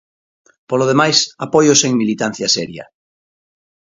Polo demais, apoio sen militancia seria.